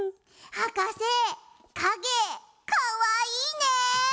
はかせかげかわいいね。